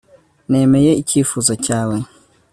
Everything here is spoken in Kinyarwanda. nemeye icyifuzo cyawe